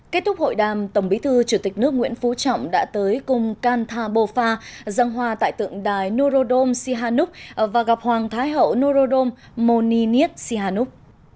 kết thúc hội đàm tổng bí thư chủ tịch nước nguyễn phú trọng đã tới cùng cantha bồ pha giang hoa tại tượng đài norodom sihanouk và gặp hoàng thái hậu norodom moniniet sihanouk